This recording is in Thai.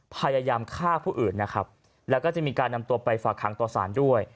พยายามฆ่าผู้อื่นนะครับแล้วก็จะมีการนำตัวไปฝากหางต่อสารด้วย